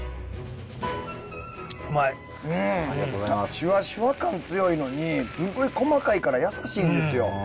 シュワシュワ感強いのにすごい細かいから優しいんですよ。